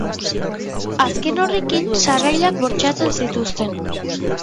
Azken horrekin sarrailak bortxatzen zituzten.